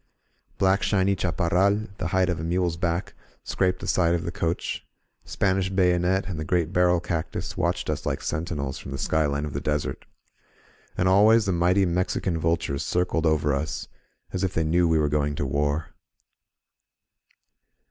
Black shiny chaparral, the height of a mule's back, scraped the side of the coach ; Span ish bayonet and the great barrel cactus watched us like sentinels from the skyline of the desert. And al ways the mighty Mexican vultures circled over us, as if they knew we were going to war.